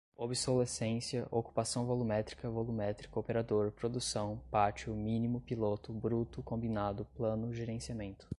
Obsolescência ocupação volumétrica volumétrico operador produção pátio mínimo piloto bruto combinado plano gerenciamento